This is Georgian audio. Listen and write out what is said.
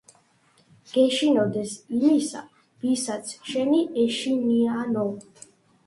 გეშინოდეს იმისა, ვისაც შენი ეშინიანო.